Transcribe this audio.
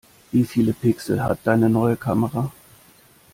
Wie viele Pixel hat deine neue Kamera?